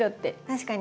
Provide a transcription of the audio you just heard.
確かに。